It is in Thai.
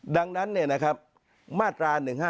ดังนั้นมาตรา๑๕